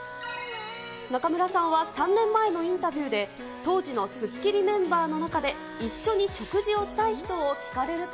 中村さんは３年前のインタビューで、当時のスッキリメンバーの中で、一緒に食事をしたい人を聞かれると。